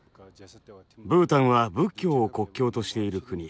ブータンは仏教を国教としている国。